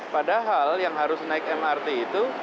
padahal yang harus naik mrt itu